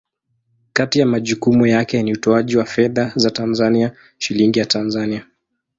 Kati ya majukumu yake ni utoaji wa fedha za Tanzania, Shilingi ya Tanzania.